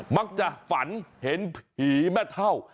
มักจะฝันเห็นผีแม่เท่า